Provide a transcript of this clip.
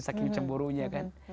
saking cemburunya kan